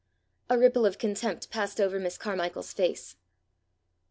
A ripple of contempt passed over Miss Carmichael's face.